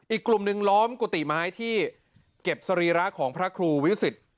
อีกกลุ่มหนึ่งล้อมกุฏิไม้ที่เก็บสรีระของพระครูวิสิต